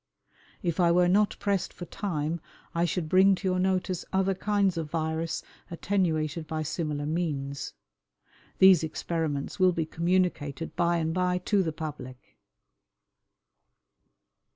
If I were not pressed for time I should bring to your notice other kinds of virus attenuated by similar means. These experiments will be communicated by and by to the public."